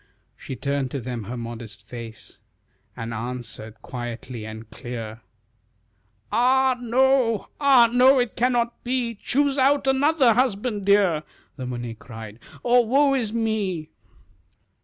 She turned to them her modest face, And answered quietly and clear. "Ah, no! ah, no! It cannot be Choose out another husband, dear," The Muni cried, "or woe is me!"